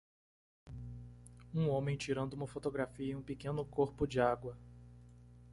Um homem tirando uma fotografia em um pequeno corpo de água.